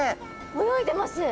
泳いでます。